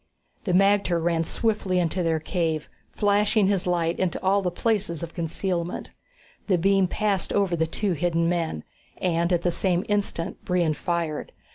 The magter ran swiftly into their cave, flashing his light into all the places of concealment. The beam passed over the two hidden men, and at the same instant Brion fired.